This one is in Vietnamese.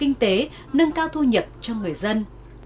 kinh tế nâng cao thu nhập cho người dân